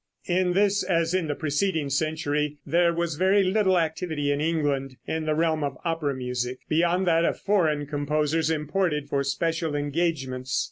In this, as in the preceding century, there was very little activity in England in the realm of opera music, beyond that of foreign composers imported for special engagements.